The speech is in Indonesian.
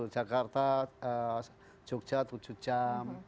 jakarta jogja tujuh jam